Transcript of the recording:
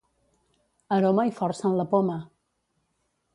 Aroma i força en la poma!